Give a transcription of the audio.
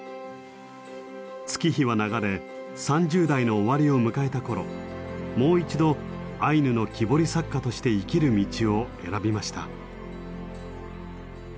月日は流れ３０代の終わりを迎えた頃もう一度アイヌの木彫り作家として生きる道を選びました。